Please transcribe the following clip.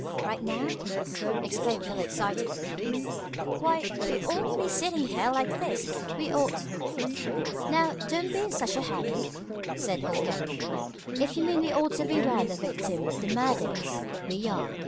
"Right now?" exclaimed Philo excitedly. "Why, we oughtn't to be sitting here like this. We ought " "Now, don't be in such a hurry," said old Gabe. "If you mean we ought to be where the victim of the murder is, we are.